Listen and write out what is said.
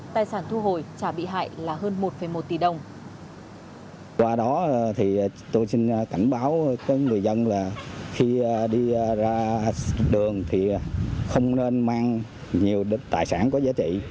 tài sản thu hồi trả bị hại là hơn một một tỷ đồng